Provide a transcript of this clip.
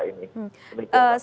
jadi ini sangat tersangka